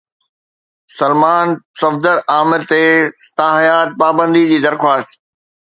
سلمان صفدر عامر تي تاحيات پابندي جي درخواست